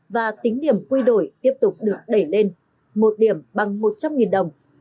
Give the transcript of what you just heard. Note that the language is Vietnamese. và tính điểm quy đổi tiếp tục được đẩy lên một điểm bằng một trăm linh đồng